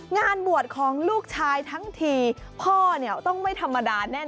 งานบวชของลูกชายทั้งทีพ่อเนี่ยต้องไม่ธรรมดาแน่น